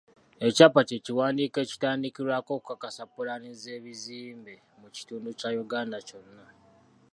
Ekyapa kye kiwandiiko ekitandikirwako okukakasa pulaani z'ebizimbe mu kitundu kya Uganda kyonna.